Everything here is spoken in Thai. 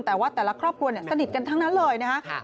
แต่ว่าแต่ละครอบครัวสนิทกันทั้งนั้นเลยนะฮะ